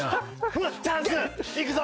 「いくぞ。